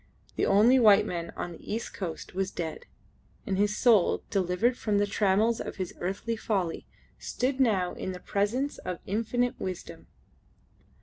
The only white man on the east coast was dead, and his soul, delivered from the trammels of his earthly folly, stood now in the presence of Infinite Wisdom.